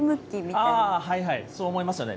はいはい、そう思いますよね。